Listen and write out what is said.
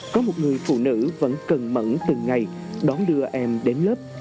có một người phụ nữ vẫn cần mẫn từng ngày đón đưa em đến lớp